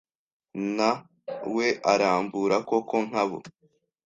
Na we arambura koko nkabo